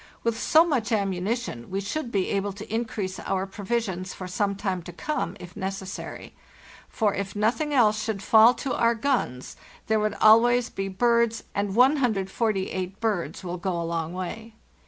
With so much ammunition, we should be able to increase our provisions for some time to come, if necessary; for if nothing else should fall to our guns there would always be birds, and 148 birds will go a long way.